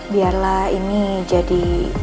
biarlah ini jadi